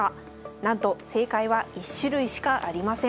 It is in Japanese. なんと正解は１種類しかありません。